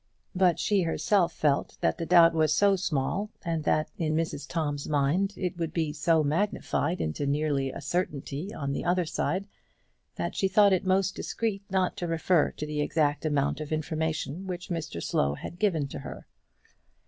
But she herself felt that the doubt was so small, and that, in Mrs Tom's mind, it would be so magnified into nearly a certainty on the other side, that she thought it most discreet not to refer to the exact amount of information which Mr Slow had given to her.